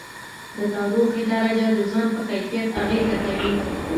د تودوخې درجه د ژوند په کیفیت اغېزه کوي.